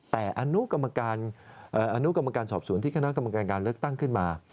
แต่อนุกรรมการสอบสวนที่คณะกรรมการการเลือกตั้งขึ้นมา